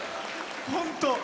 本当。